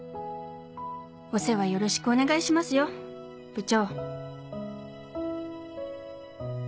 お世話よろしくお願いしますよ部長」。